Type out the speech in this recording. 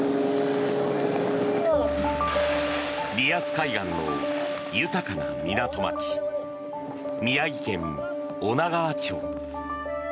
リアス海岸の豊かな港町宮城県女川町。